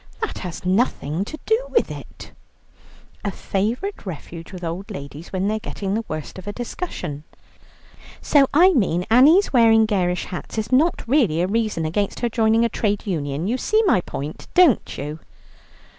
"That has nothing to do with it" (a favourite refuge with old ladies when they are getting the worst of a discussion). "Of course, if Hilda " "So I mean Annie's wearing garish hats is not really a reason against her joining a Trade Union. You see my point, don't you?"